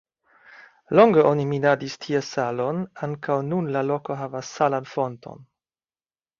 Longe oni minadis tie salon, ankaŭ nun la loko havas salan fonton.